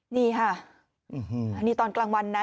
นี่ค่ะอันนี้ตอนกลางวันนะ